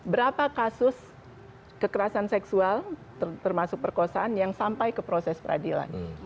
berapa kasus kekerasan seksual termasuk perkosaan yang sampai ke proses peradilan